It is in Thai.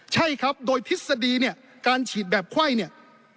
ใช่ครับโดยทฤษฎีเนี่ยการฉีดแบบไข้เนี่ย